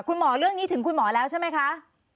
เรื่องนี้ถึงคุณหมอแล้วใช่ไหมคะ